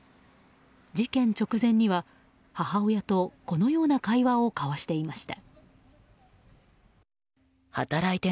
事件直前には母親とこのような会話を交わしていました。